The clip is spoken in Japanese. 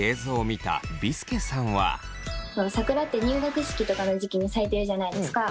桜って入学式とかの時期に咲いてるじゃないですか。